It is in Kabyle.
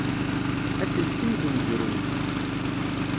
Aselkim d umezruy-is.